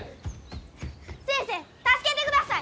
先生助けてください！